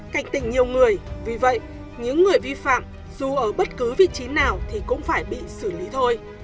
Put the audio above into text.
cảnh tỉnh nhiều người vì vậy những người vi phạm dù ở bất cứ vị trí nào thì cũng phải bản lĩnh